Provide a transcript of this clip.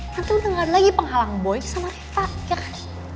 nanti udah ga ada lagi penghalang boy sama reva ya kan